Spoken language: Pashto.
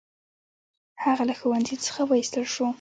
هغه له ښوونځي څخه وایستل شو.